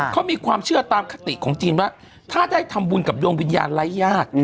เขามีความเชื่อตามคติของจีนว่าถ้าได้ทำบุญกับดวงวิญญาณไร้ญาติ